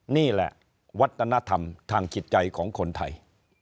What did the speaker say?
นี่แหละวัฒนธรรมทางจิตใจของคนไทย